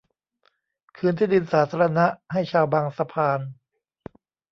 คืนที่ดินสาธารณะให้ชาวบางสะพาน